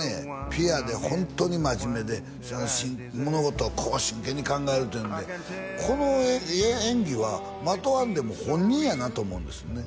ピュアでホントに真面目で物事を真剣に考えるというんでこの演技はまとわんでも本人やなと思うんですよね